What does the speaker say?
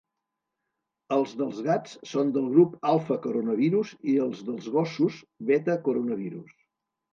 Els dels gats són del grup alfa-coronavirus i els dels gossos, beta-coronavirus.